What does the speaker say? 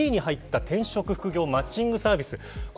２位に入った転職・副業マッチングサービス。